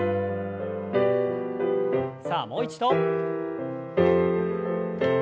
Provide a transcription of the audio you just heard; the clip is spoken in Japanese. さあもう一度。